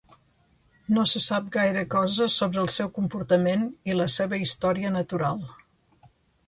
No se sap gaire cosa sobre el seu comportament i la seva història natural.